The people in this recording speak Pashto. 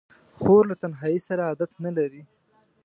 خور له تنهایۍ سره عادت نه لري.